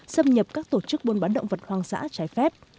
xâm nhập các tổ chức buôn bán động vật hoang dã trái phép